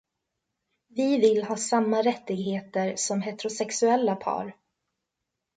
Vi vill ha samma rättigheter som heterosexuella par.